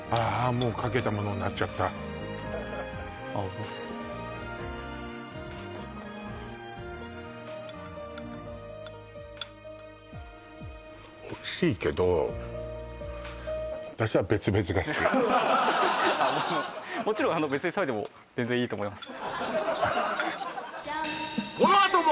もうかけたものになっちゃったおいしいけどもちろんあの別にそれでも全然いいと思います